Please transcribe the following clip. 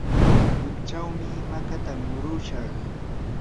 wikchawmi makata murushaq.